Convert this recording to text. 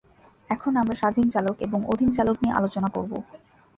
এখন আমরা স্বাধীন চলক এবং অধীন চলক নিয়ে আলোচনা করব।